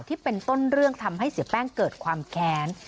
ที่เป็นต้นเรื่องทำให้เสียแป้งเกิดความแค้น